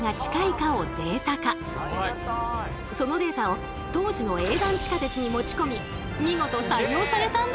そのデータを当時の営団地下鉄に持ち込み見事採用されたんだとか。